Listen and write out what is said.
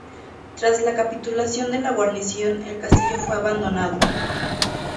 Tras la capitulación de la guarnición el castillo fue abandonado.